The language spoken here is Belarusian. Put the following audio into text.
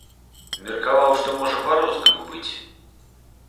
Меркаваў, што можа па-рознаму быць.